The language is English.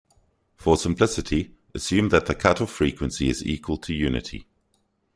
For simplicity, assume that the cutoff frequency is equal to unity.